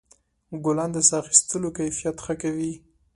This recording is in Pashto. ګلان د ساه اخیستلو کیفیت ښه کوي.